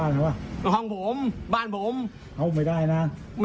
นี่ค่ะไม่กลัวความผิดไม่กลัวถูกดำเนินคดีด้วยคุณผู้ชมค่ะ